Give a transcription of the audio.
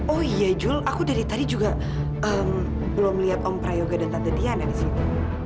oh iya juli aku dari tadi juga belum liat om prayoga dan tante diana disitu